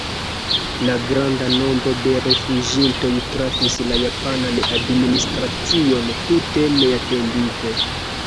La granda nombro de rifuĝintoj trafis la japanan administracion tute neatendite.